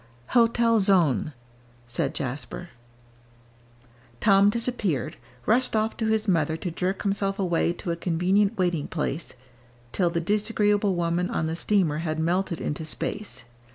"Hotel Sonne," said Jasper. Tom disappeared rushed off to his mother to jerk himself away to a convenient waiting place till the disagreeable woman on the steamer had melted into space.